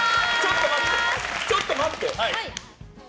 ちょっと待って！